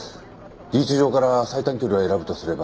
留置場から最短距離を選ぶとすれば。